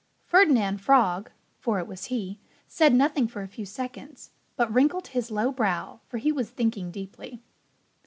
Ferdinand Frog (for it was he) said nothing for a few seconds, but wrinkled his low brow; for he was thinking deeply.